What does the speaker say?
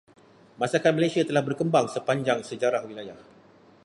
Masakan Malaysia telah berkembang sepanjang sejarah wilayah.